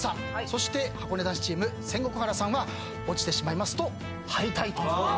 そしてはこね男子チーム仙石原さんは落ちてしまいますと敗退と。